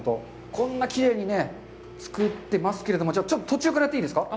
こんなきれいに作ってますけれども、途中からやっていいですか？